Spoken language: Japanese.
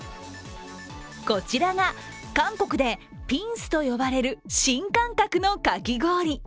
こちらが韓国でピンスと呼ばれる新感覚のかき氷。